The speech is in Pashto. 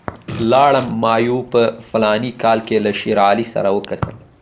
لارډ مایو په فلاني کال کې له شېر علي سره وکتل.